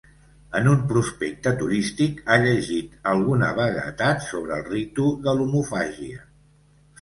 En un prospecte turístic ha llegit alguna vaguetat sobre el ritu de l'omofàgia.